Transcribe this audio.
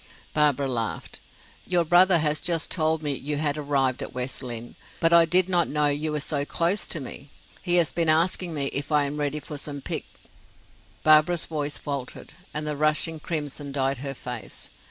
Barbara laughed. "Your brother has just told me you had arrived at West Lynne; but I did not know you were so close to me. He has been asking me if I am ready for some pic " Barbara's voice faltered, and the rushing crimson dyed her face.